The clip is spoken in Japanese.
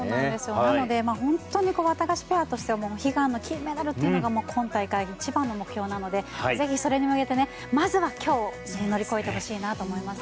なので、本当にワタガシペアとしては悲願の金メダルというのが今大会の一番の目標なのでぜひそれに向けてまずは今日それを乗り越えてほしいなと思います。